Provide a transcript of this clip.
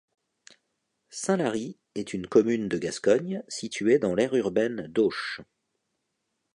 Saint-Lary est une commune de Gascogne située dans l'aire urbaine d'Auch.